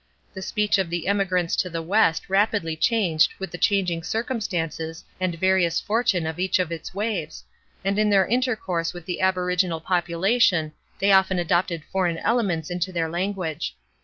The speech of the emigrants to the west rapidly changed with the changing circumstances and various fortune of each of its waves, and in their intercourse with the aboriginal population they often adopted foreign elements into their language.